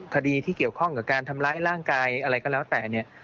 คดีที่เกี่ยวข้องกับการทำร้ายร่างกายอะไรก็แล้วแต่เนี่ย